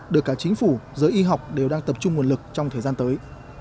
được cả chính phủ giới y học đều đang tập trung nguồn lực trong thời gian tới